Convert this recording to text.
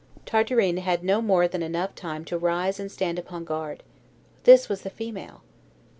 Tartarin had no more than enough time to rise and stand upon guard. This was the female!